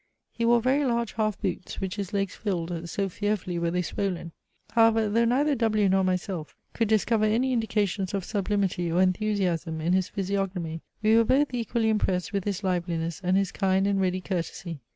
He wore very large half boots, which his legs filled, so fearfully were they swollen. However, though neither W nor myself could discover any indications of sublimity or enthusiasm in his physiognomy, we were both equally impressed with his liveliness, and his kind and ready courtesy.